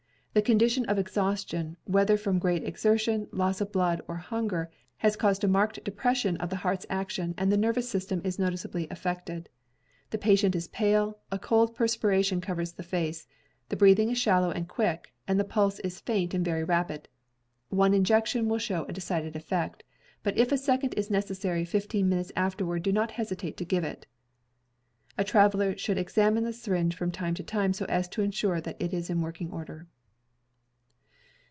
The condition of exhaustion, whether from great exertion, loss of blood, or hunger, has caused a marked depression of the heart's action and the nervous system is noticeably affected. The patient is pale, a cold perspiration covers the face, the breathing is shallow and quick, and the pulse is faint and very rapid. One injection will show a decided efl'ect, but if a second is necessary fifteen minutes afterward do not hesitate to give it. [A traveler should examine the syringe from time to time so as to ensure that it is in working order.